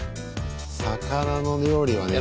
魚の料理はね